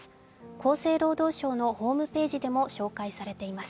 厚生労働省のホームページでも紹介されています。